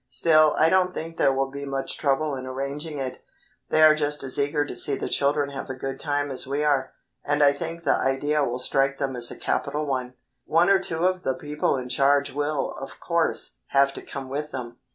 Still I don't think there will be much trouble in arranging it. They are just as eager to see the children have a good time as we are, and I think the idea will strike them as a capital one. One or two of the people in charge will, of course, have to come with them.